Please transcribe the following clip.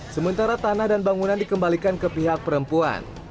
sementara tanah dan bangunan dikembalikan ke pihak perempuan